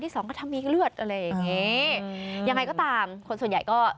ทำคลิปเรียกยอดไหล